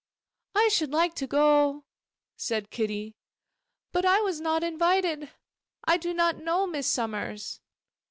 'I should like to go,' said Kitty, 'but I was not invited. I do not know Mrs. Somers.